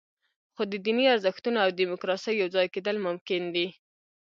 خو د دیني ارزښتونو او دیموکراسۍ یوځای کېدل ممکن دي.